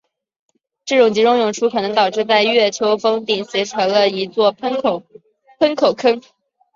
这种集中涌出可能导致在月丘峰顶形成了一座喷口坑。